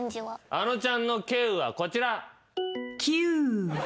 あのちゃんの「稀有」はこちら。